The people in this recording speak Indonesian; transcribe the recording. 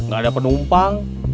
gak ada penumpang